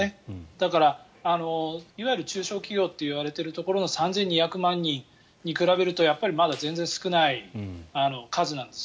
だから、いわゆる中小企業といわれているところの３２００万人に比べるとやっぱりまだ全然少ない数なんです。